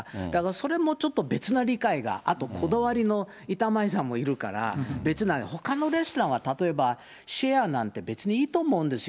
それもちょっと別な理解が、あとこだわりの板前さんもいるから、別な、ほかのレストランは例えばシェアなんて、別にいいと思うんですよ。